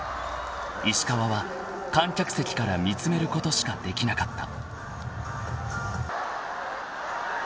［石川は観客席から見つめることしかできなかった］